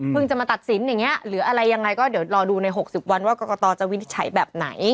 จะมาตัดสินอย่างนี้หรืออะไรยังไงก็เดี๋ยวรอดูใน๖๐วันว่ากรกตจะวินิจฉัยแบบไหน